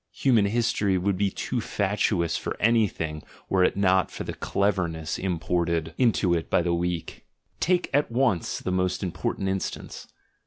Human history would be too fatuous for anything were it not for the cleverness im ported into it by the weak — take at once the most impor tant instance.